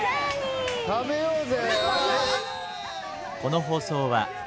食べようぜ。